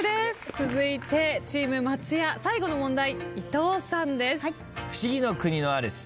続いてチーム松也最後の問題伊藤さんです。